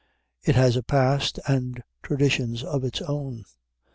It has a past and traditions of its own.